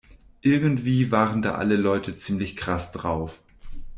Irgendwie waren da alle Leute ziemlich krass drauf.